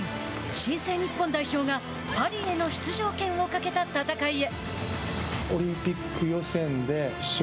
新生・日本代表がパリへの出場権をかけた戦いへ。